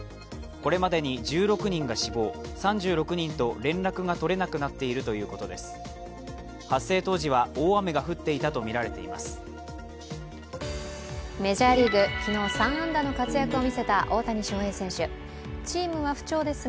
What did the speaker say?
これまでに１６人が死亡、３６人と連絡が取れなくなっているということです。